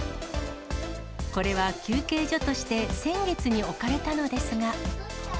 これは休憩所として先月に置かれたのですが。